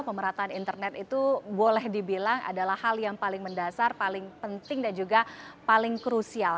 pemerataan internet itu boleh dibilang adalah hal yang paling mendasar paling penting dan juga paling krusial